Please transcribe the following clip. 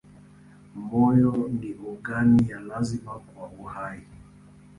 Moyo ni ogani ya lazima kwa uhai.